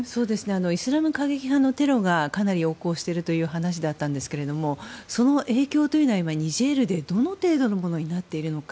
イスラム過激派のテロがかなり横行しているという話だったんですけどもその影響というのはニジェールでどの程度のものになっているのか